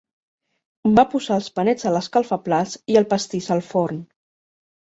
Va posar els panets a l'escalfaplats i el pastís al forn